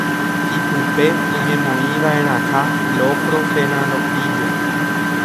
ipype oñemoĩva'erãha locro térã locrillo